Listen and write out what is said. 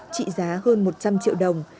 trị giá hơn một trăm linh triệu đồng